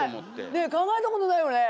ねえ考えたことないよね？